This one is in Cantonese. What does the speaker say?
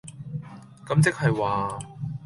咁即係話...